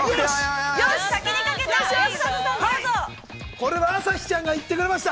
◆よし、先に書けた。